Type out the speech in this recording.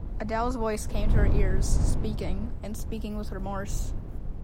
Adele's voice came to her ears, speaking — and speaking with remorse.